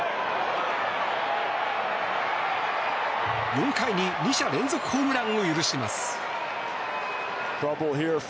４回に２者連続ホームランを許します。